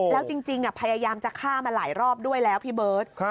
แล้วจริงพยายามจะฆ่ามาหลายรอบด้วยแล้วพี่เบิร์ต